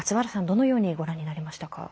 どのようにご覧になりましたか？